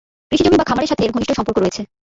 কৃষিজমি বা খামারের সাথে এর ঘনিষ্ঠ সম্পর্ক রয়েছে।